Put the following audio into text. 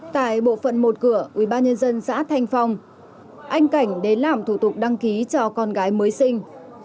tại bộ phận một cửa ubnd xã thanh phong anh cảnh đến làm thủ tục đăng ký cho con gái mới sinh